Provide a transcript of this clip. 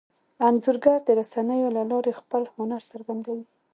انځورګر د رسنیو له لارې خپل هنر څرګندوي.